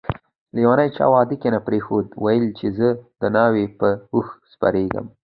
لیونی چا واده کی نه پریښود ده ويل چي زه دناوی په اوښ سپریږم